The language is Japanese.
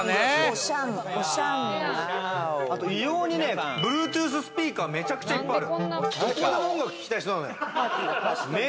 あと異様にね、Ｂｌｕｅｔｏｏｔｈスピーカーが、めちゃくちゃいっぱいある。